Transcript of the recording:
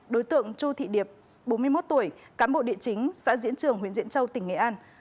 đối tượng chu thị điệp bốn mươi một tuổi cán bộ địa chính xã diễn trường huyện diễn châu tỉnh nghệ an